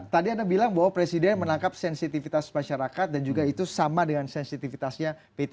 tadi anda bilang bahwa presiden menangkap sensitivitas masyarakat dan juga itu sama dengan sensitivitasnya p tiga